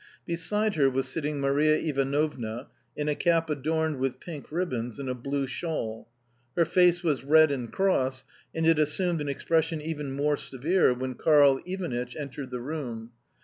Beside her was sitting Maria Ivanovna, in a cap adorned with pink ribbons and a blue shawl. Her face was red and cross, and it assumed an expression even more severe when Karl Ivanitch entered the room.